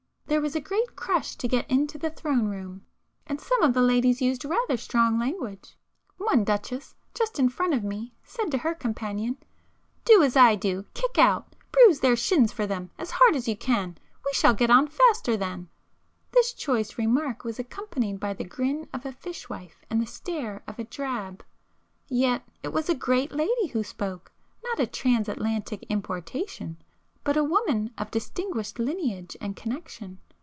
There was a great crush to get into the Throne Room; and some of the ladies used rather strong language. One duchess, just in front of me, said to her companion—'Do as I do,—kick out! Bruise their shins for them—as hard as you can,—we shall get on faster then!' This choice remark was accompanied by the grin of a fishwife and the stare of a drab. Yet it was a 'great' lady who spoke,—not a Transatlantic importation, but a woman of distinguished lineage and connection.